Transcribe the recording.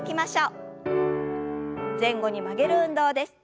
前後に曲げる運動です。